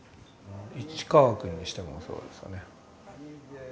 市川君にしてもそうですよね。